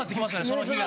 その日が。